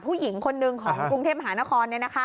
ผู้หญิงคนหนึ่งของกรุงเทพมหานคร